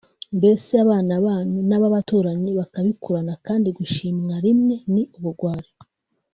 mbese abana banyu n’ab’abaturanyi bakabikurana kandi gushimwa rimwe ni ubugwari